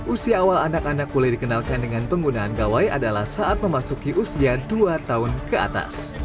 usia awal anak anak boleh dikenalkan dengan penggunaan gawai adalah saat memasuki usia dua tahun ke atas